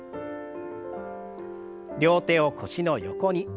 両手を腰の横に。